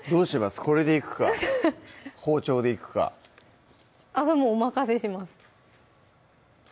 これでいくか包丁でいくかもうお任せしますじゃ